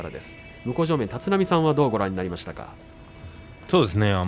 向正面の立浪さんはどうご覧になりましたか？